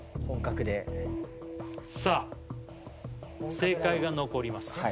「本格」でさあ正解が残ります